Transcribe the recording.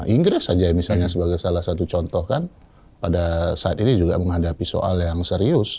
inggris saja misalnya sebagai salah satu contoh kan pada saat ini juga menghadapi soal yang serius